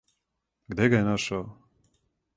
Где га је нашао?